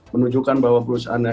menunjukkan bahwa perusahaan